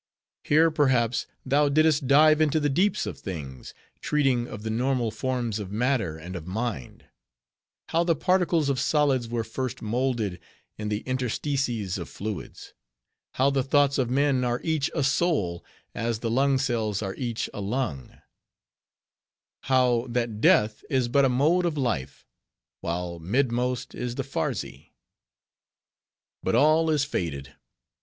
Here, perhaps, thou didst dive into the deeps of things, treating of the normal forms of matter and of mind; how the particles of solids were first molded in the interstices of fluids; how the thoughts of men are each a soul, as the lung cells are each a lung; how that death is but a mode of life; while mid most is the Pharzi.— But all is faded.